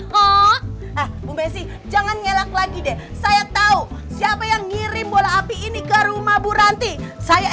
kok bu bessi jangan ngelak lagi deh saya tahu siapa yang ngirim bola api ini ke rumah bu ranti saya